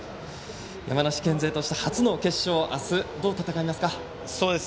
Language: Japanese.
山梨県勢初としての明日の決勝、どう戦いますか。